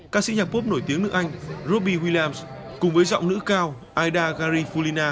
các sĩ nhạc pop nổi tiếng nước anh robbie williams cùng với giọng nữ cao aida garifullina